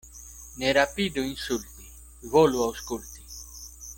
Ne rapidu insulti, volu aŭskulti.